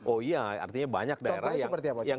oh iya artinya banyak daerah yang